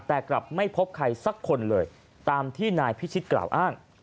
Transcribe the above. แต่กลับไม่พบใครสักคนเลยตามที่นายพิชิตกล่าวอ้าง